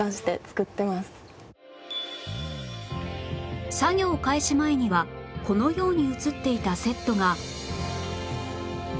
作業開始前にはこのように映っていたセットが